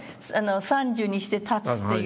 「三十にして立つ」っていう。